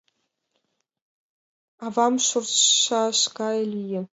Авам шортшаш гай лие.